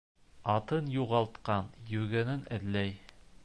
Атын юғалтҡан, йүгәнен эҙләй.